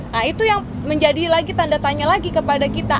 nah itu yang menjadi lagi tanda tanya lagi kepada kita